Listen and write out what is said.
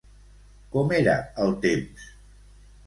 Com era el temps?